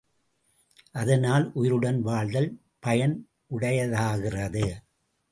அதனால் உயிருடன் வாழ்தல் பயனுடையதாகிறது.